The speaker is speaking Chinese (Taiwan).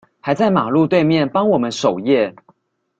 還在馬路對面幫我們守夜